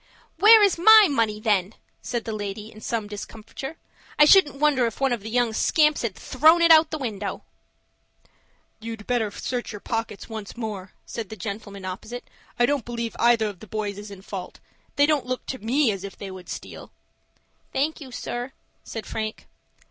"Where is my money, then?" said the lady, in some discomfiture. "I shouldn't wonder if one of the young scamps had thrown it out of the window." "You'd better search your pocket once more," said the gentleman opposite. "I don't believe either of the boys is in fault. They don't look to me as if they would steal." "Thank you, sir," said Frank.